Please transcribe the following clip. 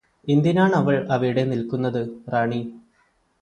എന്തിനാണവൾ അവിടെ നിൽക്കുന്നത് റാണി